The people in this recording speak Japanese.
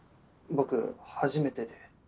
僕初めてで。